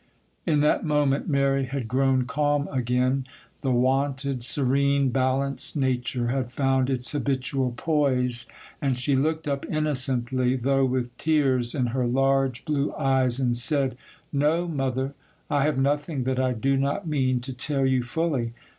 In that moment Mary had grown calm again. The wonted serene, balanced nature had found its habitual poise, and she looked up innocently, though with tears in her large blue eyes, and said,—'No, mother,—I have nothing that I do not mean to tell you fully.